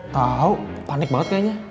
tau panik banget kayaknya